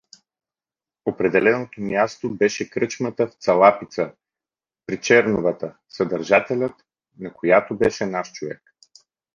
Определеното място беше кръчмата в Цалапица, при черновата, съдържателят на която беше наш човек.